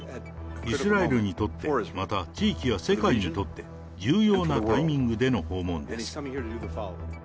イスラエルにとって、また地域や世界にとって、重要なタイミングでの訪問です。